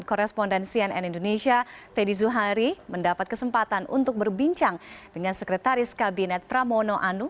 korrespondensi nn indonesia teddy zuhari mendapat kesempatan untuk berbincang dengan sekretaris kabinet pramono anu